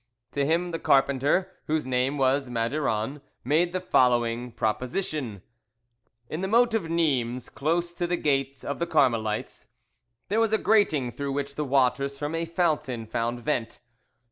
To him the carpenter, whose name was Maduron, made the following proposition: In the moat of Nimes, close to the Gate of the Carmelites, there was a grating through which the waters from the fountain found vent.